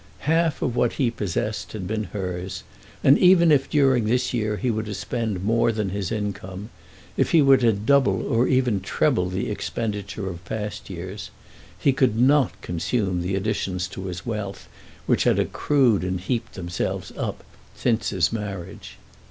Half what he possessed had been hers, and even if during this year he were to spend more than his income, if he were to double or even treble the expenditure of past years, he could not consume the additions to his wealth which had accrued and heaped themselves up since his marriage.